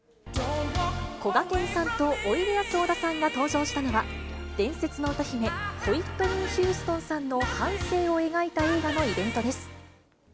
こがけんさんとおいでやす小田さんが登場したのは、伝説の歌姫、ホイットニー・ヒューストンさんの半生を描いた映画のイベントです。